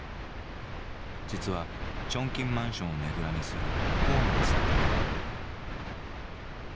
実はチョンキンマンションをねぐらにするホームレスだという。